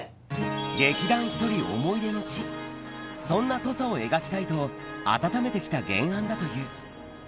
劇団ひとり思い出の地、そんな土佐を描きたいと温めてきた原案だという。